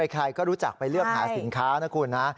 ใครก็รู้จักไปเลือกหาสินค้านะคุณนะ